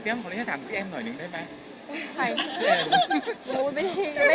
พี่แอมของนี้จะถามพี่แอมหน่อยหนึ่งได้ไหม